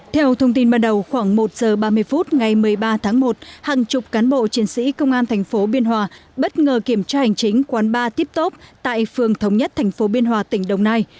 theo thông tin ban đầu khoảng một giờ ba mươi phút ngày một mươi ba tháng một hàng chục cán bộ chiến sĩ công an tp biên hòa bất ngờ kiểm tra hành chính quán bar tip top tại phường thống nhất tp biên hòa tỉnh đồng nai